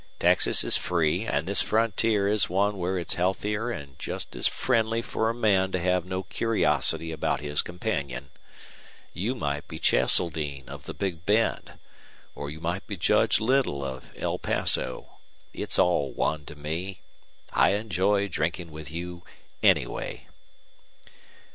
Texas is free, and this frontier is one where it's healthier and just as friendly for a man to have no curiosity about his companion. You might be Cheseldine, of the Big Bend, or you might be Judge Little, of El Paso it's all one to me. I enjoy drinking with you anyway."